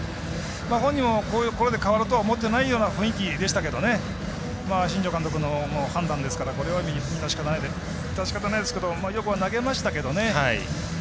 本人もこれで代わるとは思ってないような雰囲気でしたが新庄監督の判断ですから、これは致し方ないですけどよく投げましたけどね。